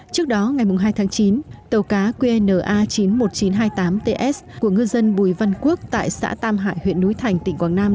trước đó ngày hai tháng chín tàu cá qna chín mươi một nghìn chín trăm hai mươi tám ts của ngư dân bùi văn quốc tại xã tam hải huyện núi thành tỉnh quảng nam